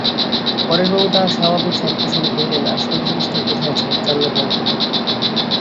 পরেশবাবু তাঁহার স্বাভাবিক শান্তস্বরে কহিলেন, আসল জিনিসটা কোথায় আছে জানলে বলতে পারতুম।